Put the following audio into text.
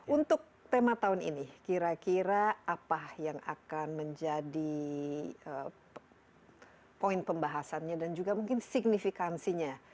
untuk tema tahun ini kira kira apa yang akan menjadi poin pembahasannya dan juga mungkin signifikansinya